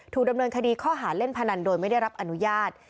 ดำเนินคดีข้อหาเล่นพนันโดยไม่ได้รับอนุญาต